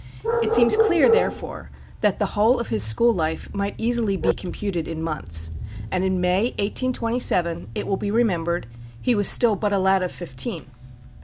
It seems clear, therefore, that the whole of his school life might easily be computed in months; and in May, 1827, it will be remembered, he was still but a lad of fifteen.